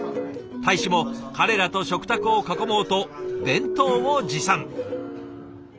大使も彼らと食卓を囲もうと弁当を持参。